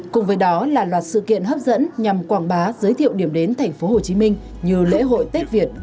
cùng với đó là loạt sự kiện hấp dẫn nhằm quảng bá giới thiệu điểm đến tp hcm như lễ hội tết việt